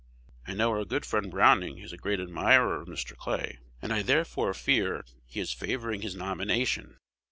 I know our good friend Browning is a great admirer of Mr. Clay, and I therefore fear he is favoring his nomination.